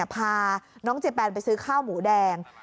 พาน้องเจแปนไปซื้อข้าวหมูแดง